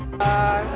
ketua ketua ketua